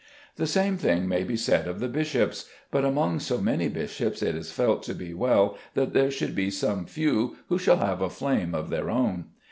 The same thing may be said of the bishops; but among so many bishops it is felt to be well that there should be some few who shall have a flame of their own.